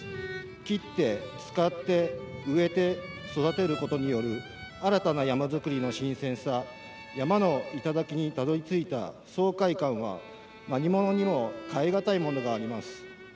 「伐って、使って、植えて、育てる」ことによる新たな山づくりの新鮮さ山の頂にたどりついた爽快感は何物にも代えがたいものがあります。